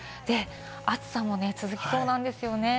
暑さも続きそうなんですよね。